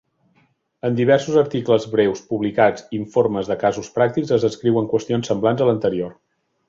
En diversos articles breus publicats i informes de casos pràctics es descriuen qüestions semblants a l'anterior.